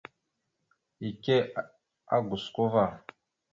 Ike a gosko ava.